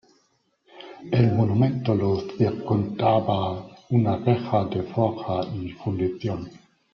El monumento lo circundaba una reja de forja y fundición.